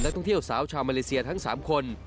ท่องเที่ยวสาวชาวมาเลเซียทั้ง๓คน